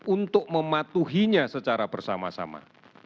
untuk mematuhinya secara bersama sama